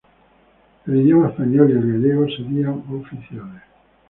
El idioma español y el gallego serían oficiales.